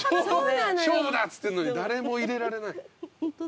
勝負だっつってんのに誰も入れられない。